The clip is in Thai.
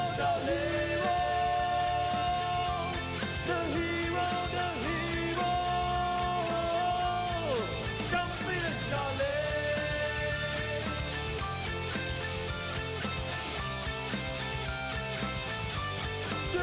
จังหวาดึงซ้ายตายังดีอยู่ครับเพชรมงคล